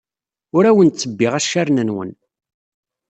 Ur awen-ttebbiɣ accaren-nwen.